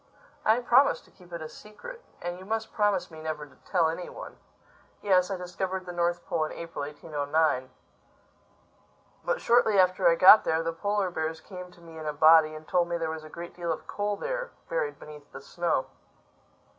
"I promised to keep it a secret. And you must promise me never to tell any one. Yes, I discovered the North Pole in April, 1809. But shortly after I got there the polar bears came to me in a body and told me there was a great deal of coal there, buried beneath the snow.